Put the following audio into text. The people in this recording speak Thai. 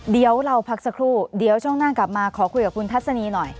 เดี๋ยวเราพักสักครู่เดี๋ยวช่วงหน้ากลับมาขอคุยกับคุณทัศนีหน่อย